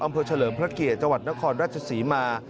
เฉลิมพระเกียรติจังหวัดนครราชศรีมา